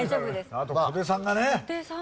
あと小手さんがね